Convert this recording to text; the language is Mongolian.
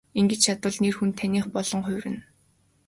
Ингэж чадвал нэр хүнд таных болон хувирна.